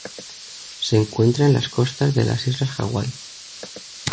Se encuentran en las costas de las Islas Hawaii.